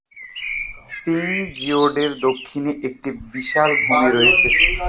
পিংজিউডের দক্ষিণে একটি বিশাল ভূমি রয়েছে।